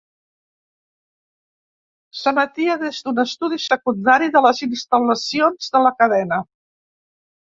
S'emetia des d'un estudi secundari de les instal·lacions de la cadena.